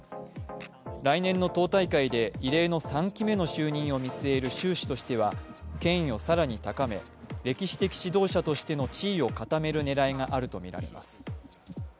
来年の党大会で異例の３期目の就任を見据える習氏としては権威を更に高め、歴史的指導者としての地位を固める狙いがあるとみられます。